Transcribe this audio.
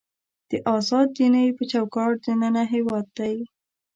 د ازاد دینۍ په چوکاټ دننه هېواد دی.